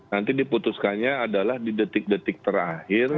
nanti diputuskannya adalah di detik detik terakhir